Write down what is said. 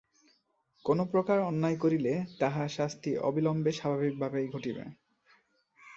কোন প্রকার অন্যায় করিলে তাহার শাস্তি অবিলম্বে স্বাভাবিকভাবেই ঘটিবে।